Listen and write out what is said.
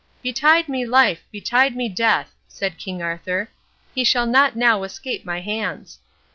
"Betide me life, betide me death," said King Arthur, "he shall not now escape my hands."